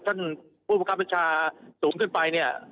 ท่านผู้ประคับประชาสูงขึ้นไปเนี่ย